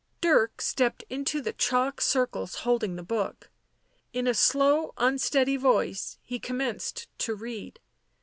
Dirk stepped into the chalk circles holding the book. In a slow, unsteady voice he commenced to read.